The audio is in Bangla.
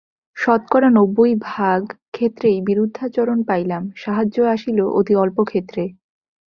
শতকরা নব্বই ভাগ ক্ষেত্রেই বিরুদ্ধাচরণ পাইলাম, সাহায্য আসিল অতি অল্পক্ষেত্রে।